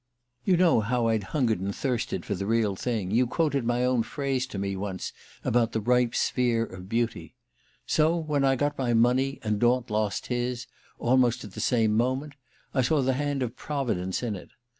"You know how I'd hungered and thirsted for the real thing you quoted my own phrase to me once, about the 'ripe sphere of beauty.' So when I got my money, and Daunt lost his, almost at the same moment, I saw the hand of Providence in it.